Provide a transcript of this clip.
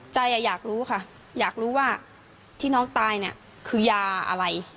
อยากรู้ค่ะอยากรู้ว่าที่น้องตายเนี่ยคือยาอะไร